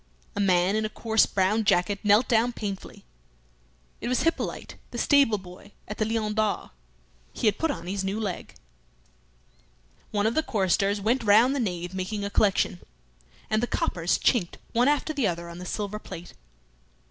A man in a coarse brown jacket knelt down painfully. It was Hippolyte, the stable boy at the "Lion d'Or." He had put on his new leg. One of the choristers went round the nave making a collection, and the coppers chinked one after the other on the silver plate.